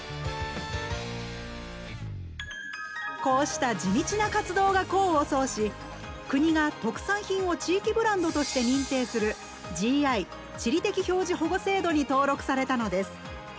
こうした地道な活動が功を奏し国が特産品を地域ブランドとして認定するＧＩ地理的表示保護制度に登録されたのです。